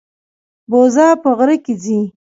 بوزه په غره کې ځي.